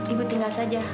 ibu tinggal saja